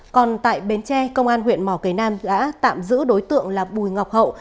còn tại bến tre công an huyện mò cái nam đã tạm giữ đối tượng là bùi ngọc hậu